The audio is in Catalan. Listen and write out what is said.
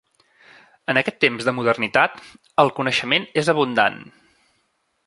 En aquest temps de modernitat, el coneixement és abundant.